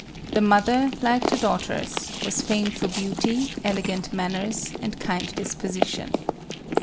The mother, like the daugh ters, was famed for beauty, elegant manners and kind disposition.